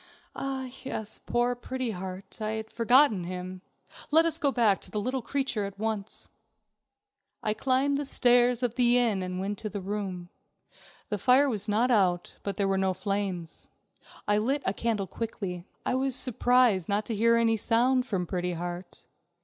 "Ah, yes, poor Pretty Heart. I had forgotten him. Let us go back to the little creature at once." I climbed the stairs of the inn first and went into the room. The fire was not out, but there were no flames. I lit a candle quickly. I was surprised not to hear any sound from Pretty Heart.